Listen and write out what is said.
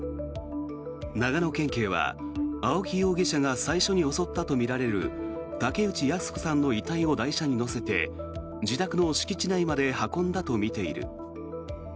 長野県警は青木容疑者が最初に襲ったとみられる竹内靖子さんの遺体を台車に乗せて自宅の敷地内まで運んだとみている。